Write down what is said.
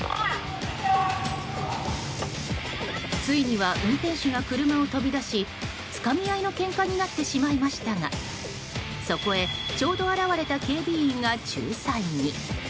ついには、運転手が車を飛び出しつかみ合いのけんかになってしまいましたがそこへ、ちょうど現れた警備員が仲裁に。